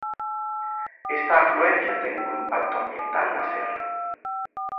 Esta afluencia ten un impacto ambiental na serra.